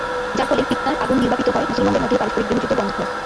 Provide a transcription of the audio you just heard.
যার ফলে ফিতনার আগুন নির্বাপিত হয়, মুসলমানদের মধ্যে পারস্পরিক গৃহযুদ্ধ বন্ধ হয়।